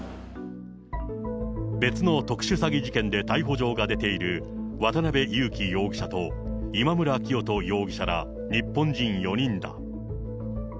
別の特殊詐欺事件で逮捕状が出ている渡辺優樹容疑者と今村磨人容疑者ら日本人４人だ。